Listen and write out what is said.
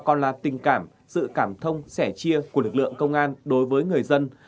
và đã tự tình cảm sự cảm thông sẻ chia của lực lượng công an đối với người dân